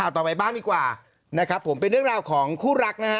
ถูก